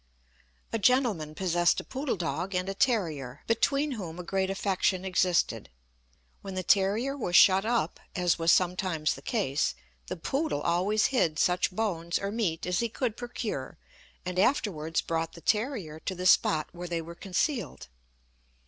A gentleman possessed a poodle dog and a terrier, between whom a great affection existed. When the terrier was shut up, as was sometimes the case, the poodle always hid such bones or meat as he could procure, and afterwards brought the terrier to the spot where they were concealed.